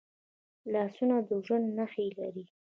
لاسونه د ژوند نښې لري